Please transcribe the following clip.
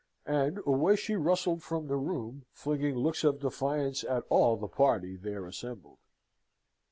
And away she rustled from the room, flinging looks of defiance at all the party there assembled.